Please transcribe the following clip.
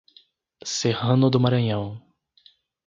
Serrano do Maranhão